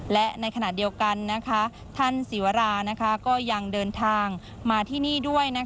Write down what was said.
และในขณะเดียวกันท่านศิวราก็ยังเดินทางมาที่นี่ด้วย